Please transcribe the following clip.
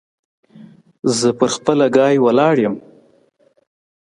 زه پر خپل ګای ولاړ يم.